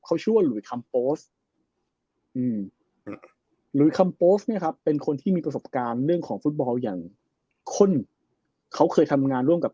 เขาช่วยอืมเป็นคนที่มีประสบการณ์เรื่องของฟุตบอลอย่างคนเขาเคยทำงานร่วมกับ